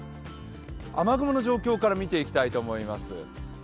雨雲の状況から見ていきたいと思います。